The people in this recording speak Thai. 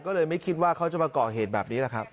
ก็เลยไม่คิดว่าเขาจะมาก่อเหตุแบบนี้แหละครับ